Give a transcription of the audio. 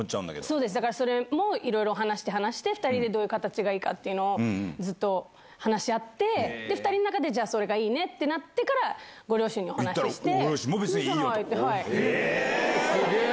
そうです、だからそれもいろいろ話して、話して、２人でどういう形がいいかっていうのを、ずっと話し合って、２人の中で、じゃあ、それがいいねってなってから、ご両親にお話しして。